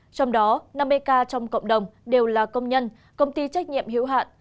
trong đó năm mươi ca trong cộng đồng đều là công nhân công ty trách nhiệm hữu hạn